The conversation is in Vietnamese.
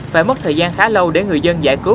phải mất thời gian khá lâu để người dân giải cứu